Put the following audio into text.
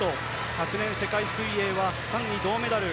昨年、世界水泳は３位、銅メダル。